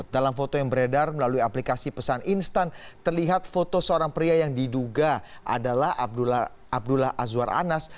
dalam foto yang beredar melalui aplikasi pesan instan terlihat foto seorang pria yang diduga adalah abdullah azwar anas